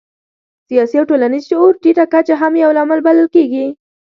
سیاسي او ټولنیز شعور ټیټه کچه هم یو لامل بلل کېږي.